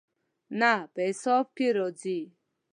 نه، په حساب کې راځي